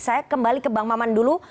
saya kembali ke bang maman dulu